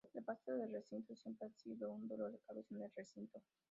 El pasto del recinto siempre ha sido un dolor de cabeza en el recinto.